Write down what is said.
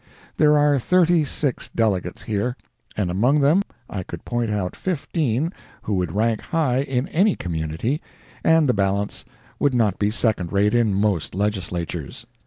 There are thirty six delegates here, and among them I could point out fifteen who would rank high in any community, and the balance would not be second rate in most Legislatures.